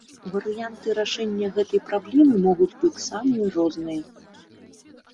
Варыянты рашэння гэтай праблемы могуць быць самыя розныя.